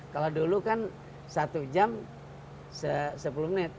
kalau dulu kan satu jam sepuluh menit